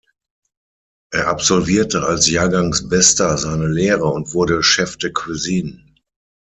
Er absolvierte als Jahrgangsbester seine Lehre und wurde Chef de Cuisine.